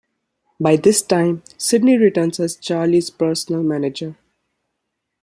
By this time, Sydney returns as Charlie's personal manager.